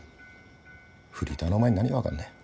フリーターのお前に何がわかるんだよ？